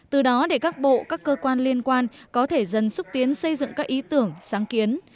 từ đó để các bộ các cơ quan liên quan có thể dần xúc tiến xây dựng các ý tưởng sáng kiến